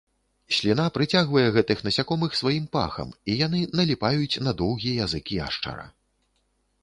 Сліна прыцягвае гэтых насякомых сваім пахам, і яны наліпаюць на доўгі язык яшчара.